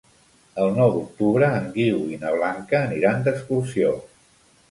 El nou d'octubre en Guiu i na Blanca aniran d'excursió.